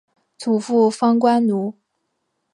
祖父方关奴。